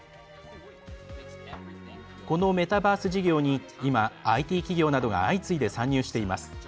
このメタバース事業に今、ＩＴ企業などが相次いで参入しています。